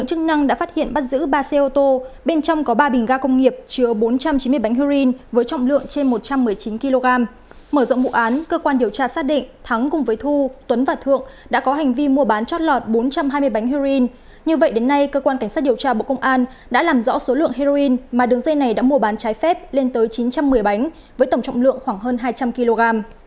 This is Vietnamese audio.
như vậy đến nay cơ quan cảnh sát điều tra bộ công an đã làm rõ số lượng heroin mà đường dây này đã mùa bán trái phép lên tới chín trăm một mươi bánh với tổng trọng lượng khoảng hơn hai trăm linh kg